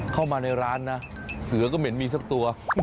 เข้ามาในร้านนะเสือก็เหม็นมีสักตัว